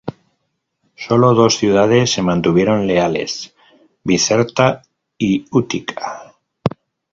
Sólo dos ciudades se mantuvieron leales: Bizerta y Útica.